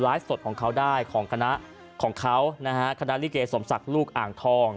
สดของเขาได้ของคณะของเขานะฮะคณะลิเกสมศักดิ์ลูกอ่างทอง